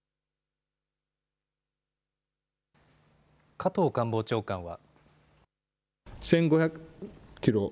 加藤官房長官は。